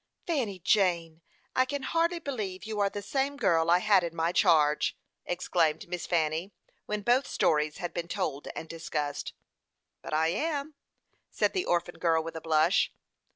"Fanny Jane, I can hardly believe you are the same girl I had in my charge," exclaimed Miss Fanny, when both stories had been told and discussed. "But I am," said the orphan girl, with a blush.